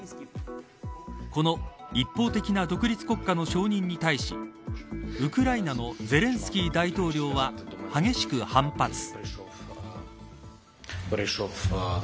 この一方的な独立国家の承認に対しウクライナのゼレンスキー大統領は激しく反発。